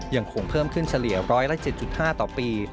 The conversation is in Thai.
ยังคงเพิ่มขึ้นเฉลี่ย๑๐๗๕ต่อปี